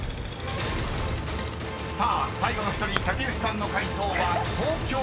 ［さあ最後の１人竹内さんの解答は東京］